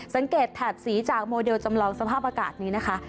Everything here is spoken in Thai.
แถบสีจากโมเดลจำลองสภาพอากาศนี้นะคะ